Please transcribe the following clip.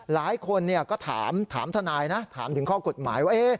หลายคนก็ถามทนายนะถามถึงข้อกฎหมายว่า